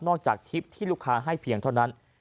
จากทริปที่ลูกค้าให้เพียงเท่านั้น